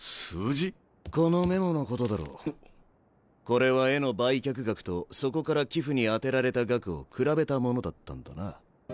これは絵の売却額とそこから寄付に充てられた額を比べたものだったんだな。